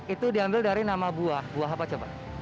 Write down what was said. itu diambil dari nama buah buah apa coba